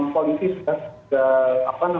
polisi sudah melakukan proses itu